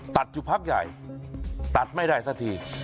ตัดอยู่พักใหญ่ตัดไม่ได้สักที